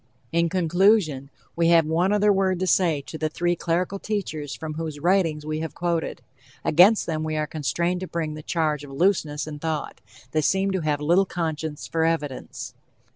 In conclusion, we have one other word to say to the three clerical teachers from whose writings we have quoted. Against them we are constrained to bring the charge of looseness in thought. They seem to have little conscience for evidence.